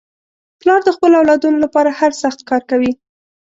پلار د خپلو اولادنو لپاره هر سخت کار کوي.